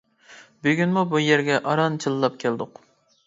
بۈگۈنمۇ بۇ يەرگە ئاران چىللاپ كەلدۇق.